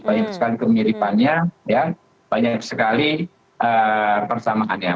banyak sekali kemiripannya banyak sekali persamaannya